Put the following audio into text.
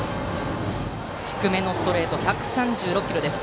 低めのストレートは１３６キロです。